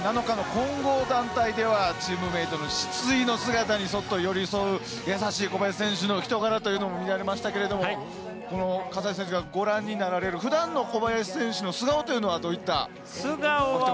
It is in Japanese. ７日の混合団体ではチームメートの失意の姿にそっと寄り添う優しい小林選手のお人柄というのも見られましたが葛西選手がご覧になられる普段の小林選手の素顔はどういった？